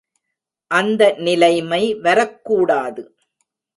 அந்த நிலைமை வரக்கூடாது.